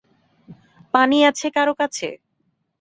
পানি আছে কারো কাছে?